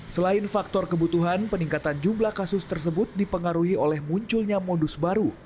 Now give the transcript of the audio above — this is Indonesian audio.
selain faktor kebutuhan peningkatan jumlah kasus tersebut dipengaruhi oleh munculnya modus baru